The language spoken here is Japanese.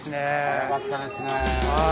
速かったですね。